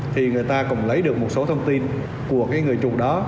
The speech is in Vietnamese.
thì người ta cũng lấy được một số thông tin của cái người chụp đó